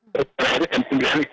berlari jam sembilan istirahat